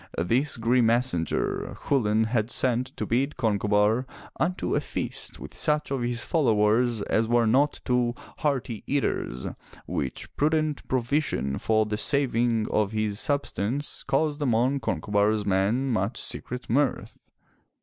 This grim messenger, Chulain had sent to bid Concobar unto a feast with such of his followers as were not too hearty eaters, which prudent provision for the saving of his substance caused among Conco bar*s men much secret mirth.